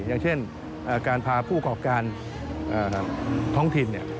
อย่างเช่นการพาผู้กรอบการท้องถิ่น